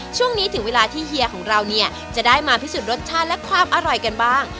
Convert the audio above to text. ถึงเวลาที่เฮียของเราเนี่ยจะได้มาพิสูจนรสชาติและความอร่อยกันบ้าง